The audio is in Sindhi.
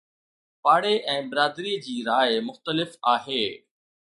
پاڙي ۽ برادريءَ جي راءِ مختلف آهي.